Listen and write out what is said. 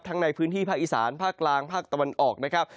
ในพื้นที่ภาคอีสานภาคกลางภาคตะวันออกนะครับ